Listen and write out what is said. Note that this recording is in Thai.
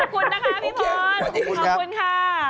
ขอบคุณนะคะพี่บอลขอบคุณค่ะ